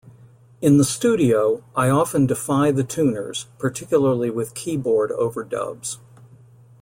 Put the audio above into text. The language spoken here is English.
In the studio, I often defy the tuners, particularly with keyboard overdubs.